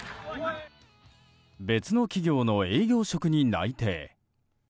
別の企業の営業職に内定。